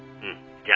じゃあ